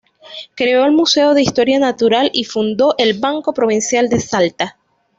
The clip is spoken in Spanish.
Creó el Museo de Historia Natural y fundó el Banco Provincial de Salta.